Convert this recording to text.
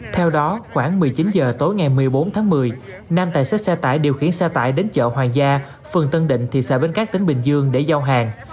theo đó khoảng một mươi chín h tối ngày một mươi bốn tháng một mươi nam tài xế xe tải điều khiển xe tải đến chợ hoàng gia phường tân định thị xã bến cát tỉnh bình dương để giao hàng